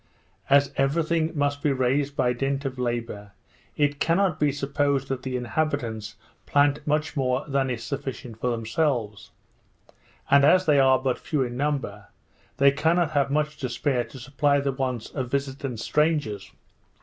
As every thing must be raised by dint of labour, it cannot be supposed that the inhabitants plant much more than is sufficient for themselves; and as they are but few in number, they cannot have much to spare to supply the wants of visitant strangers.